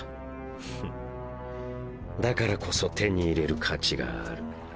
フッだからこそ手に入れる価値がある。